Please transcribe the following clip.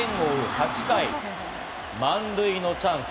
８回、満塁のチャンス。